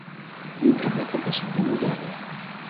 Мы пра гэта пішам рэгулярна.